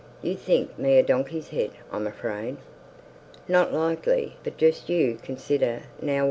You'll think me a donkey's head, I'm afraid." "Not likely. But just you consider now, wheer